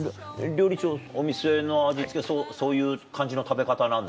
料理長お店の味付けそういう感じの食べ方なんですか？